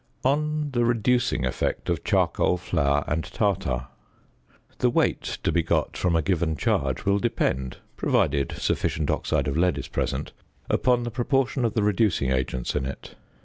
On the Reducing Effect of Charcoal, Flour, and Tartar. The weight to be got from a given charge will depend (provided sufficient oxide of lead is present) upon the proportion of the reducing agents in it.